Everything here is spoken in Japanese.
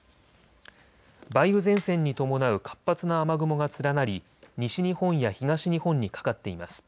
梅雨前線に伴う活発な雨雲が連なり西日本や東日本にかかっています。